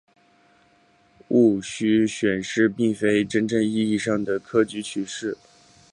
戊戌选试并非真正意义的科举取士。